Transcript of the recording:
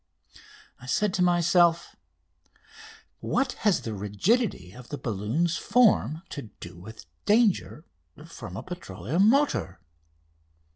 I said to myself: "What has the rigidity of the balloon's form to do with danger from a petroleum motor?